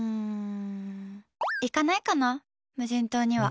行かないかな、無人島には。